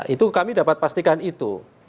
itu kami dapat pastikan itu